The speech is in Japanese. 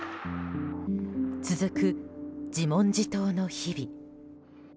続く自問自答の日々。